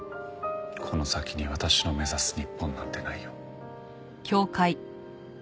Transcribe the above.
この先に私の目指す日本なんてないよ。